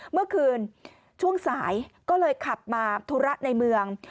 เมื่อคืนช่วงสายก็เลยขับมาธุระในเมือง